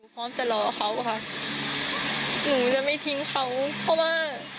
พร้อมจะรอเขาค่ะหนูจะไม่ทิ้งเขาเพราะว่า